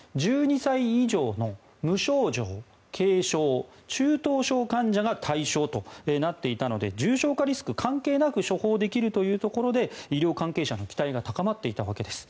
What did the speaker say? １２歳以上の無症状、軽症、中等症患者が対象となっていたので重症化リスク関係なく処方できるというところで医療関係者の期待が高まっていたわけです。